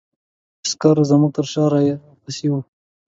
عسکر زموږ تر شا را پسې وو.